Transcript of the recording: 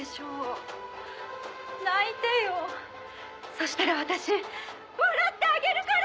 「そうしたら私笑ってあげるから！」